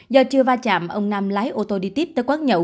do chưa va chạm ông nam lái ô tô đi tiếp tới quán nhậu